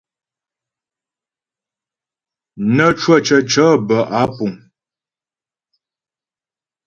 Nə́ cwə̂ cəcə̌ mònə̀ŋ bə́ á púŋ.